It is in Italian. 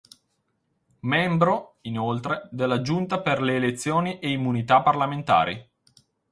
Membro, inoltre, della giunta per le elezioni e immunità parlamentari.